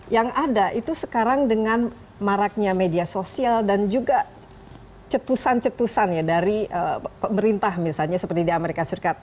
yang ada itu sekarang dengan maraknya media sosial dan juga cetusan cetusan ya dari pemerintah misalnya seperti di amerika serikat